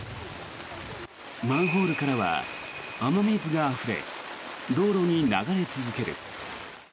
マンホールからは雨水があふれ道路に流れ続ける。